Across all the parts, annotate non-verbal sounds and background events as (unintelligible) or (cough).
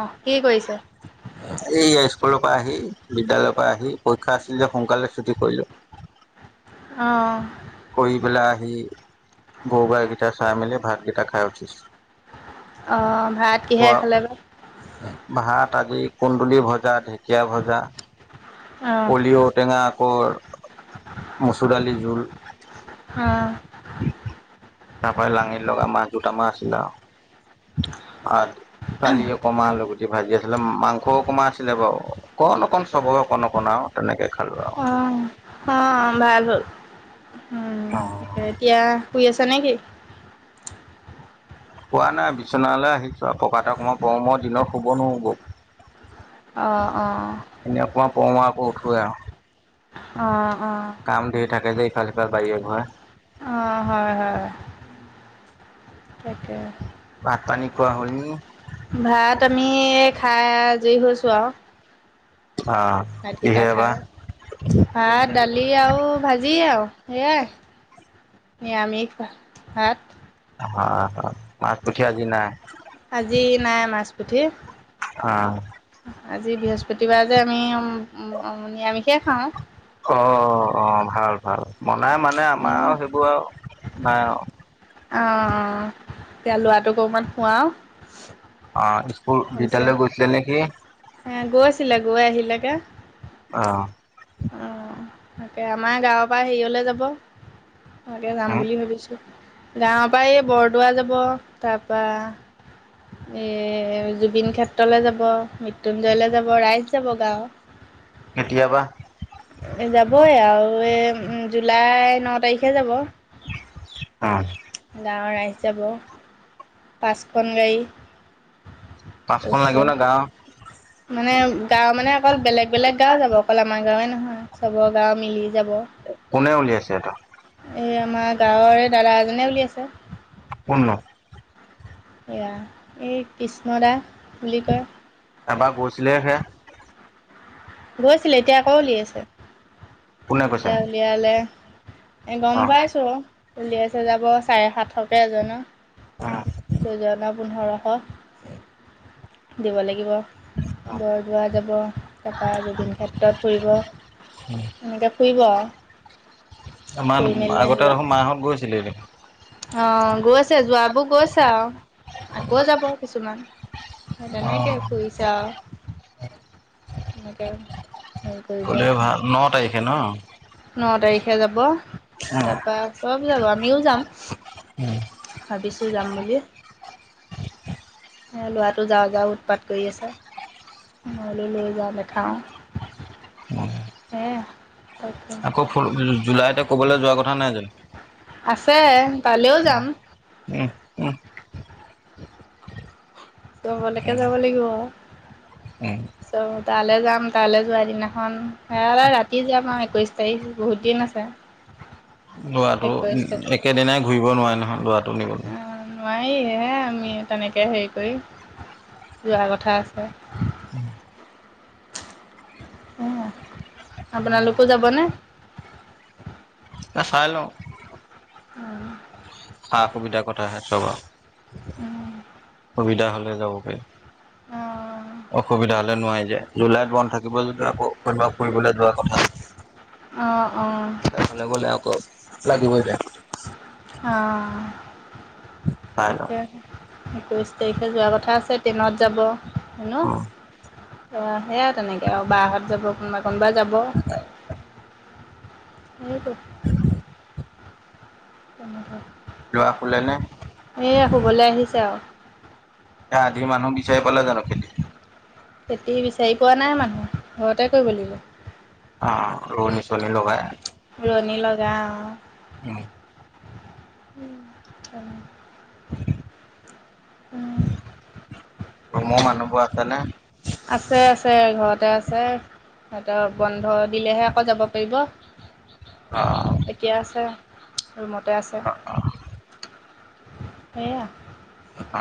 অ কি কৰিছে? এই স্কুলৰ পৰা আহি বিদ্যালয়ৰ পৰা আহি পৰীক্ষা আছিল যে সোনকালে ছুটি কৰিলো। (unintelligible) অ। কৰি পেলাই আহি গৰু গাই কেইটা চাই মেলি ভাতকেইটা খাই উঠিছো। অ ভাত খোৱা কিহেৰে খালে বা? ভাত আজি কুন্দুলি ভজা, ঢেকীয়া ভজা। অহ কলি ঔটেঙা আকৌ মচুৰ (unintelligible) দালি জোল অহ তাৰ পৰা লাঙি লগা মাছ জোত মা আছিলে আৰু কালি কমা লগুটি ভাজি আছিলে মাংসও অকমা আছিলে বাৰু অকণ - অকণ চবৰে অকণ - অকণ বনাও তেনেকে খালো অ আৰু ৷ ভাল হ'ল, উম এতিয়া শুই আছা নে কি? শুৱা নাই বিচনালৈ আহিছোঁ আৰু পকাত অকনমান পৰো মই দিনত শুব নোৱাৰো ব৷ অহ অ অকণমান পৰো আৰু আকৌ উঠোৱে আৰু অহ। কাম ধেৰ থাকে যে ইফাল সিফাল বাৰীয়ে ঘৰে অ-অ হয়-হয় ৷ তাকে ভাত পানী খোৱা হ'ল নি ভাত আমি খাই আজৰি হৈছো আও। আহ কিহে খাই বা? ভাত দালি আউ ভাজি আউ সেয়াই। নিৰামিষ ভাত। হয়। (unintelligible) আজি নাই মাছ পুঠি। অ। আজি বৃহস্পতিবাৰ যে আমি নিৰামিষেই খাওঁ, অ অ অ ভাল ভাল মনাই মানে আমাৰ আৰু অ সেইবোৰ আৰু নাই আও। এতিয়া লৰাটোক অকমান অ স্কুল খুৱাও। হৈছে বিদ্যালয় গৈছিলে নেকি এ‌ গৈছিলে গৈ আহিলেগে। অ অ তাকে আমাৰ গাঁৱৰ পৰা হেৰিঅলে যাব তকে যাম উম বুলি ভাবিছো। গাঁওৰ পৰা এই বৰদোৱা যাব তাৰপা। এ জুবিন ক্ষেত্ৰলৈ যাব মৃত্যুঞ্জয় লৈ যাব ৰাইজ যাব গাঁওত কেতিয়াবা। যাবই আৰু এই জুলাই ন তাৰিখে যাব। উম গাঁওৰ ৰাইজ যাব পাঁচখন গাড়ী, পাঁচখন লাগিব তাৰপিছত না গাওঁ। মানে গাঁও মানে অকল বেলেগ বেলেগ গাঁও যাব অকল আমাৰ গাঁওৱেই‌ নহয় চবৰ গাঁও মিলি, কোনে উলিয়াইছে এইটো এই আমাৰ গাঁওৰে দাদা এজনে উলিয়াইছে। কোন নো? এই কৃষ্ণ দা বুলি কয়। এবাৰ গৈছিলেহে হে গৈছিলে এতিয়া আকৌ উলিয়াইছে কোনে কৈছে এতিয়া উলিয়ালে এ অ গম পাইছো উলিয়াইছে যাব চাৰে সাতশকে এজনৰ। অ দুজনৰ পোন্ধৰশ দিব লাগিব। বৰদোৱা যাব তপৰা জবিন ক্ষেত্ৰত ফুৰিব। এনেকে ফুৰিব আৰু আমাৰ ফুৰি মেলি আগতে আহিব। অ দেখোন মাহঁত গৈছিলেই দেখোন গৈছে যোৱাবোৰ গৈছে আৰু আকৌ যাব কিছুমান। সেই অ তেনেকে ফুৰিছা আৰু হেনেকে গ'লে ভাল ন তাৰিখে ন ন তাৰিখ যাব তাৰপা চব যাব আমিও যাম। ভাবিছো যাম বুলি। (unintelligible) ল'ৰাটো যাওঁ যাওঁ উৎপাত কৰি আছে। মই বুলো লৈ যাও দেখাও সেয়াই। আকৌ জুলাইতে ক'বলৈ যোৱা কথা নাই জানো? আছে তালৈও যাম উম উম চবলৈকে যাব লাগিব। চ' তালে। যাম তালৈ যোৱা দিনাখন সয় ৰাতি যাম আৰু একৈশ তাৰিখ বহুত দিন আছে। লৰাটো একৈছ তাৰিখ একেদিনাই ঘূৰিব নোৱাৰে নহয় লৰাটো নিবলৈ, আমি তেনেকৈ হেৰি কৰি যোৱা কথা আছে। উ আপোনালোকো যাব নে? না চাই লওঁ। উম সা সুবিধাৰ কথাহে চ ব সুবিধা হ'লে যাবগে। অসুবিধা হলে নোৱাৰি যে জুলাইত বন্ধ থাকিব যদিও আকৌ কোনোবা ফুৰিবলৈ যোৱা কথা অ অ। এইফালে গ'লে আকৌ লাগিবই দেই। অঁ চাই লওঁ তাকে একৈছ তাৰিখে যোৱা কথা আছে ট্ৰেইনত। সেনো হয় তেনে বাহত যাব। কোনবা যাব। উ ল'ৰা শুলে নে? এ শুবলৈ আহিছে আৰু। এ আধি মানুহ বিচাৰি পালা জানো খেতি খেতি বিচাৰি পোৱা নাই মানুহে ঘৰতে কৰিব অ ৰোৱনী চোৱনী লগাই লাগিব ৰোৱনি লগাও উম উম। ৰুমৰ মানুহবোৰ আছে নে? আছে আছে ঘৰতে আছে সিহঁতৰ বন্ধ দিলেহে আকৌ যাব পাৰিব এতিয়া আছে। ৰুমতে আছে এইয়া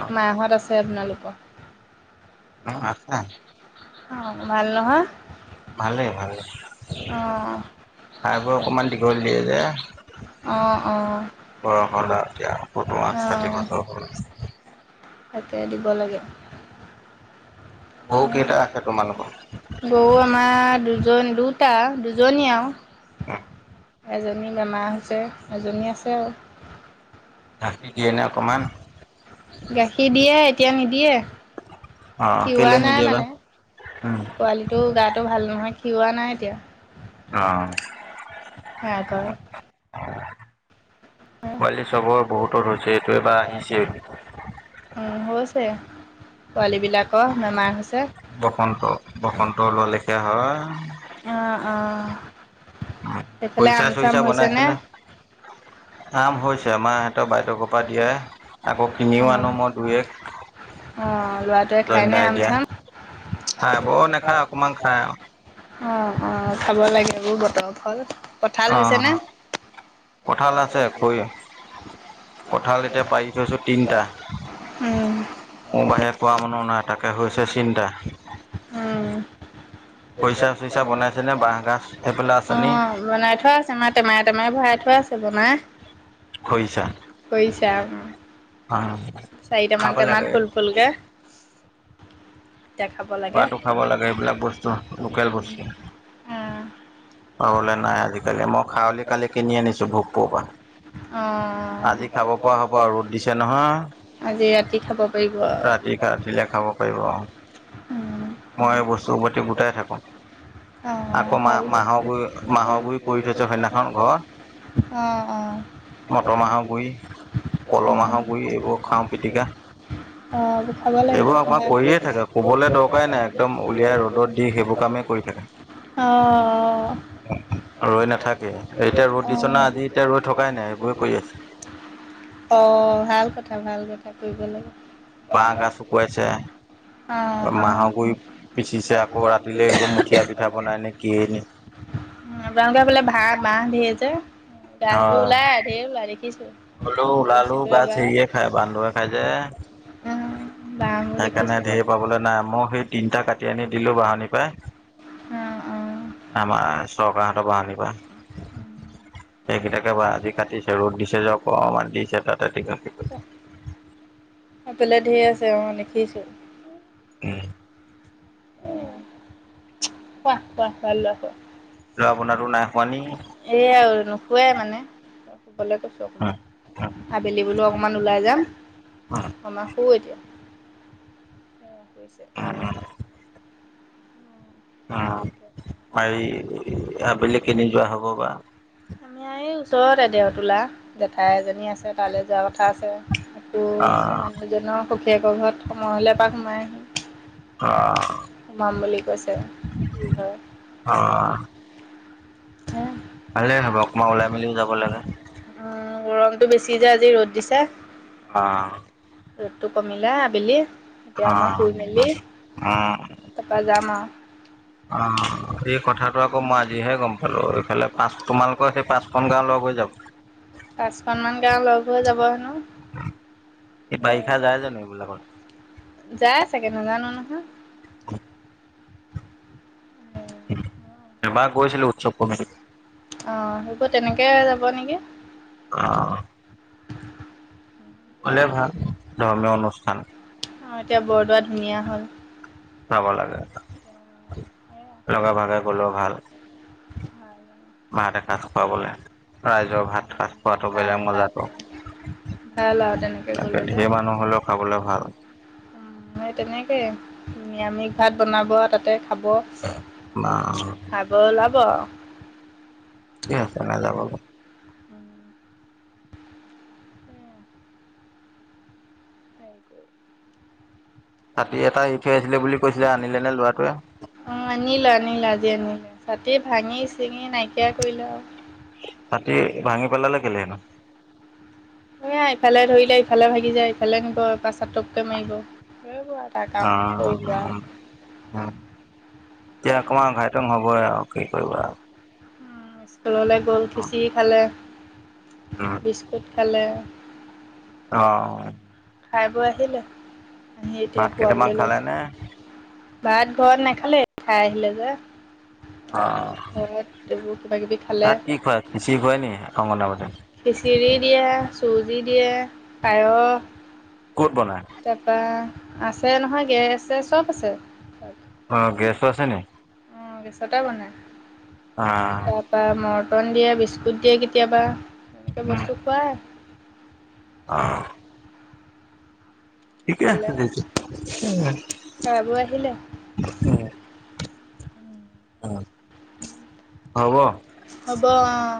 অ মাহঁত আছে আপোনালোকৰ। অ আছা অ ভাল নহয়। ভালেই ভালেই অঁ খাইবোৰ অকণমান দীঘল দিয়ে যে- অঁ অঁ বনোৱা এতিয়াম ষাঠি বছৰ হ'। তাতে দিব লাগে গৰু কেইটা আছে তোমালোকৰ গৰু আমাৰ দুজনী দুত এটা দুজনীয়া আৰু হ (unintelligible) এজনী বেমাৰ হৈছে এজনী আছে আৰু। গাখীৰ দিয়ে নে অকমান গাখীৰ দিয়ে এতিয়া নিদিয়ে। অ খিওৱা কেলে নাই নিদিয়ে বা মানে উম পোৱালিটো গাটো ভাল নহয় খওৱা নাই। এতিয়া অ। সেয়া কৰে পোৱালি চবৰ বহুতৰ হৈছে এইটো এবাৰ আহিছে। উম হৈছে। পোৱালীবিলাকৰ বেমাৰ হৈছে। বসন্ত বসন্ত ওলোৱা লেখীয়া হয় অহ অঁ। পইচা চইচা বনাইছে নে। আম হৈছে আমাৰ সিহঁতৰ বাইদেউকৰ পৰা দিয়ে আকৌ কিনিও আনো মই দুই এক (unintelligible) অ ল'ৰাটোৱে খাই নে জয়নদাই আম, দিয়া চাম- খাই বৌ নে খায় অকমানং খায়। অ অ খাব লাগে এইবোৰ বতৰ ফল। কঁঠাল আহ হৈছেনে? কঠাল আছে কৈ। কঁঠাল, এতিয়া পাৰি থৈছোঁ তিনিটা। উম মোৰ বাহিৰে কোৱা মানু্হ নাই তাকে হৈছে চিন্তা উম। পইচা চইচা বনাইছে নে বাঁহগাজ। অ বনাই থোৱা আছে মা টেমাই টেমাই ভৰাই থোৱা আছে বনাই খৰিচা কৈইছা। অ' চাৰিটামান খাব টমাত লাগে ফুল ফুলকে। এতিয়া খাব লাগে। খোৱাতো খাব লাগে, এইবিলাক বস্তু লোকেল বস্তু। অঁ অলে নাই আজিকালি মই খাৱলি কালি কিনি আনিছো ভোকপুৰৰ পৰা। অঁ আজি খাব পৰা হ'ব আৰু ৰ'দ দিছে নহয়। আজি ৰাতি খাব পাৰিব। ৰাতি কাটিলে খাব পাৰিব আৰু- মই বস্তুৰ প্ৰতি গোটাই থাকো। আকৌ মাহ হয়। মাহৰ গু অঁ মাহৰ গুৰি কৰি থৈছে। সদিনাখন ঘৰ অঁ অঁ মটৰ মাহৰ গুৰি। কল, মাহৰ গুৰি এইবোৰ খাওঁ পিটিকা। অ, খাব লাগে ভাল। উপাই নাই। একদম উলিয়াই ৰ'দত দি সেইবোৰ কামেই কৰি থাকে। অঁ ৰ ন। নাথাকে এতিয়া ৰ'দ দিছ অঁ না আজি। এতিয়া ৰৈ থকাই নাই এইবোৰে কৰি আছে। অ, ভাল কথা। ভাল কথা কৰিব লাগে। বাঁহ গাজ শুকুৱাইছে। অঁ অঁ মাহৰ গুৰি পিচিছে, আকৌ ৰাতিলে এইবোৰ মুঠিয়া পিঠা বনাই নে কিয়ে নে? আপোনালোকে বোলে ভ বাহ ধে যে গাজবোৰ হয় ওলায়, ধেৰ ওলাই দেখিছো। হলেও ওলালেও দেখিছিলোঁ গাজ এবাৰ সেৰিয়ে খায় বান্দৰে খাই যে। বাঁহবোৰ সেইকাৰণে দেখিছোঁ ধেই পাবলৈ নাই। মই সেই তিনটা কাটি আনি দিলো বাহনিৰ পাই। অঁ অঁ আমাৰ চৰকাৰহঁতৰ পৰা আমি পাম। এই কেইটাকে বা আজি কাটিছে। ৰ'দ দিছে যে অকমান দিছে, তাতে তিক সেইফালে ধেৰ আছে, অ দেখিছো। উম। শুৱা, শুৱা। ভাল ল'ৰা শুৱা। ল'ৰা বনাতো নাই খোৱা এইয়াই আৰু নুশুৱেই মানে। চবলে কৈছো অকমান। নি আবেলি বোলো অকমান ওলাই যাম। অকণমান শু এতিয়া। অ শুইছে। অ ম আবেলি কেনি যোৱা হ'ব বা। আমি এই ওচৰতে এ দেওতোলা জেঠাই এজনী আছে তালৈ যোৱা কথ কথা আছে। আকৌ অ', মানুহজনৰ সখীয়েকৰ ঘৰত সময় হ'লে এপাক সোমাই আহিম। অ। সোমাম বুলি কৈছে, কি হয়? ভালে হব। অকন ওলাই মেলিও যাব লাগে। উ গৰমটো বেছি যে আজি। ৰ'দ দিছে। অঁ। ৰ'দটো কমিলে আবেলি তেওঁ মই শুই মেলি তাৰপৰা যাম আও। অ, এই কথাটো আকৌ মই আজিহে গম পালো। এইফালে পাঁচ তোমালোকৰ সেই পাঁচখন গাঁও লগ হৈ যাব পাঁচখনমান গাওঁ লগ হৈ যাব হেনো। এই বাৰিষা যায় জানো এইবিলাকত? যাই ছাগে, নাজানো নহয়। (inaudible) এবাৰ গৈছিলো উৎচৱ কমিটিত। অ সেইবোৰ তেনেকে যাব নেকি। অ', হলে ভাল ধৰ্মীয় অনুষ্ঠান। অ এতিয়া বৰদোৱা ধুনীয়া হ'ল। যাব লাগে। লগে ভাগে গলেও ভাল। ভাত এসাঁজ খোৱাবলে, ৰাইজৰ ভাত সাজ খোৱাটো ভাল বেলেগ মজা ভাল তহ। ভাল আৰু তেনেকে গ'লে যে একেইখিনি মানুহ হ'লেও খাবলৈ ভাল। মে তেনেকে নিৰামিষ ভাত বনাব তাতে খাব। মা ক (unintelligible) আছে নাযাবলৈ ছাতি এটা এৰি থৈ আহিছিলে বুলি কৈছিলে আনিলে নে ল'ৰাটোৱে অ, আনিলো, আনিলা আজি আনিলো। এ ভাঙি-চিঙি নাইকিয়া কৰিলে আৰু। ছাতি ভাঙি পেলালে কেলেই নো? ধৰা ইফালে ধৰিলে ইফালে ভাগি যায়, ইফালে নিব তাপা চাটোপকে মাৰিব। হেইবোৰে আৰু তাৰ অ কাম সৰু লৰা এতিয়া অকমান অঘাইটং হবই আৰু কি কৰিবা। ললৈ গ'ল, খিঁচিৰি খালে। বিস্কুট খালে। অ'। খাই বৈ আহিলে। আহি এতিয়া ভাত কেইটামান শুৱাবলে খালে নে লৈছো। ভাত ঘৰত নেখালে, খাই আহিলে যে। অ'। ঘৰত এইবোৰ কিবা কিবি খালে। তাত কি খুৱাই খিচিৰি খুৱাই নি অংগনাবাদীত খিচিৰি দিয়ে। চুজি দিয়ে, পায়স। ক'ত বনাই তাপা আছে নহয় গেৰেজ ছেৰেজ চব আছে। অ' গেছো আছে নি? অ' গেছতে বনাই অ তাৰপা মৰ্টন দিয়ে, বিস্কুট দিয়ে কেতিয়াবা। এনেকে বস্তু খুৱাই। অ'। ঠিকে খালে আছে খাই বৈ আহিলে (unintelligible) উম। অ', হব। হ'ব অ